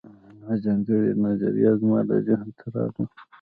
یوه ځانګړې نظریه زما ذهن ته راغله